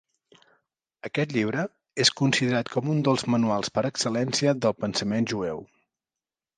Aquest llibre és considerat com un dels manuals per excel·lència del pensament jueu.